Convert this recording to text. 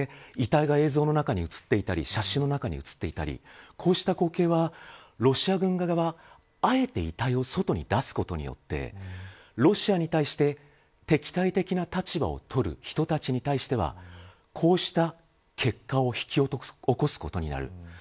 映像に映っていたり写真に写っていたりこうした光景はロシア軍側があえて遺体を外に出すことによってロシアに対して敵対的な立場をとる人たちに対してはこうした結果を引き起こすことになる。